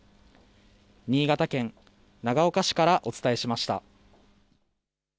新潟県長岡市からお伝えしました。